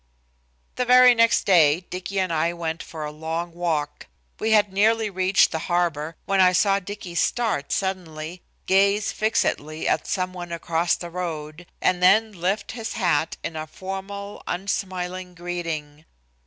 The very next day, Dicky and I went for a long walk. We had nearly reached the harbor, when I saw Dicky start suddenly, gaze fixedly at some one across the road, and then lift his hat in a formal, unsmiling greeting.